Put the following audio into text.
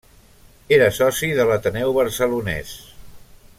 Era soci de l'Ateneu Barcelonès.